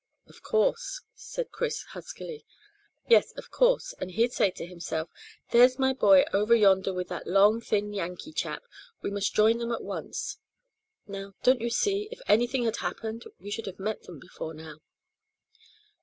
"Of course," said Chris huskily. "Yes, of course; and he'd say to himself, `There's my boy over yonder with that long, thin Yankee chap.' We must join them at once. Now, don't you see, if anything had happened we should have met them before now?"